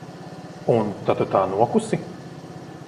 Un tad tu tā nokusi?